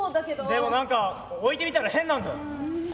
でも何か置いてみたら変なんだよ。え？